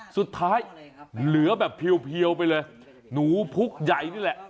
สุดท้ายเหลือแบบเพียวไปเลยหนูพุกใหญ่นี่แหละ